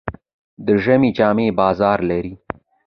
د ژمي جامې بازار لري.